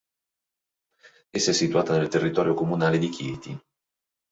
Essa è situata nel territorio comunale di Chieti.